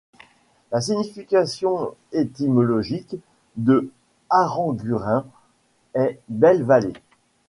La signification étymologique de Aranguren est belle vallée.